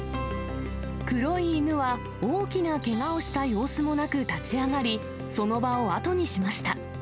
黒い犬は大きなけがをした様子もなく立ち上がり、その場を後にしました。